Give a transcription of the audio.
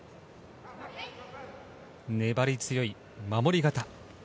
粘り強い守り型。